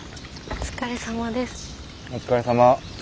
お疲れさま。